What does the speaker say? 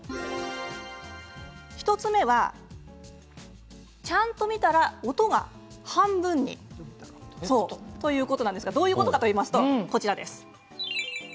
１つ目は、ちゃんと見たら音が半分にということですがどういうことなのか、こちら。